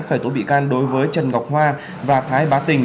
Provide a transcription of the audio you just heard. khởi tố bị can đối với trần ngọc hoa và thái bá tình